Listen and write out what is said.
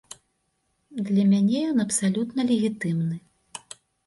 Для мяне ён абсалютна легітымны.